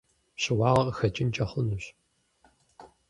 Щыуагъэ къыхэкӏынкӏэ хъунущ.